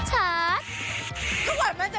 สาวขวัญมันจะก็อยากสวยแบบนี้อ่ะ